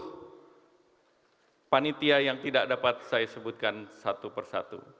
untuk panitia yang tidak dapat saya sebutkan satu persatu